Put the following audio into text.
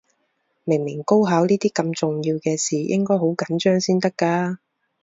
明明高考呢啲咁重要嘅事，應該好緊張先得㗎